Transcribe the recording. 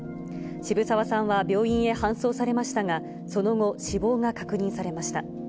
渋沢さんは病院へ搬送されましたが、その後、死亡が確認されました。